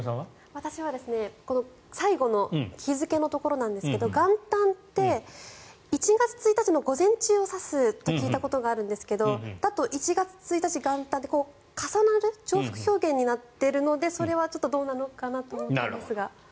私は最後の日付のところなんですけど元旦って１月１日の午前中を指すって聞いたことがあるんですがそれだと１月１日元旦って重複表現になっているのでそれはどうなのかなと思ったんですが。